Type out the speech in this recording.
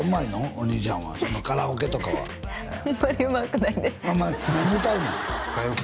お兄ちゃんはカラオケとかはあんまりうまくないです何や誰？